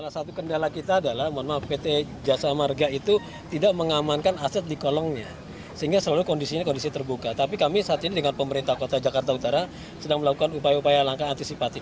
sedang melakukan upaya upaya langkah antisipatif